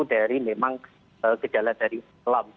jadi memang gejala dari selam